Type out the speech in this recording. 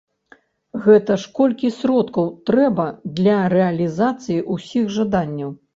Гэта ж колькі сродкаў трэба для рэалізацыі ўсіх жаданняў!